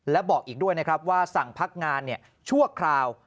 และบอกอีกด้วยนะครับว่าสั่งพักงานชั่วคราว